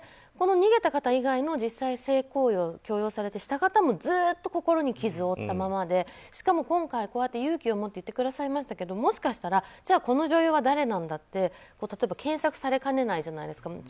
逃げた方以外の性行為を強要されて従った人もずっと心に傷を持ったままでしかも今回、勇気を持って言ってくださいましたけどもしかしたらこの女優が誰なんだって例えば検索されかねないじゃないですか。